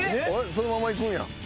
そのままいくんや。